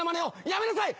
やめなさい！